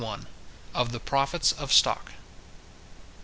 OF THE PROFITS OF STOCK.